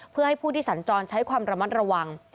เพื่อให้ผู้ที่สัญจรใช้ความระมัดระวัง